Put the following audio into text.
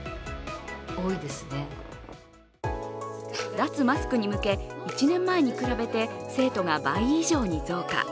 脱マスクに向け、１年前に比べて生徒が倍以上に増加。